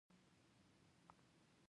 انار د وینې په جوړولو کې مرسته کوي.